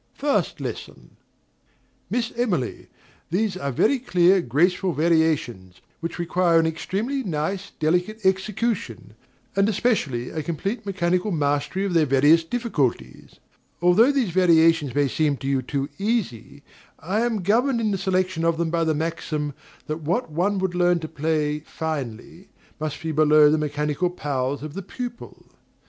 First Lesson. Miss Emily, these are very clear, graceful variations, which require an extremely nice, delicate execution; and, especially, a complete mechanical mastery of their various difficulties. Although these variations may seem to you too easy, I am governed in the selection of them by the maxim that "what one would learn to play finely must be below the mechanical powers of the pupil."